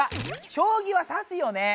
将棋はさすよね。